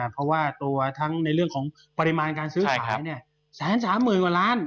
เพราะว่าตัวทั้งในเรื่องของปริมาณสื้อขายเนี่ย๑๓๐๐๐๐ล้าน